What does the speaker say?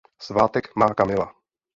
Svátek má Kamila.